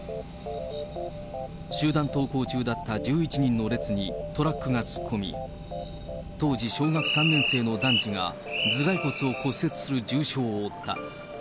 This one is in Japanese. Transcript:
集団登校中だった１１人の列にトラックが突っ込み、当時小学３年生の男児が、頭蓋骨を骨折する重傷を負った。